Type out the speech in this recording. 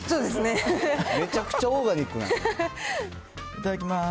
いただきます。